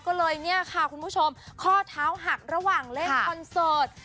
ก็เลยเนี่ยค่ะคุณผู้ชมข้อเท้าหักระหว่างเล่นคอนเสิร์ต